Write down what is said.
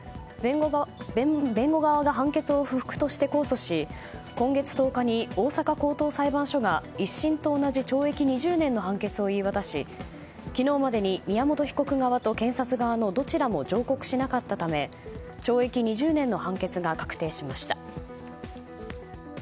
弁護側が判決を不服として控訴し今月１０日、大阪高等裁判所が１審と同じ懲役２０年の判決を言い渡し、昨日までに宮本被告側と検察側のどちらも上告しなかったため懲役２０年の判決が確定しました。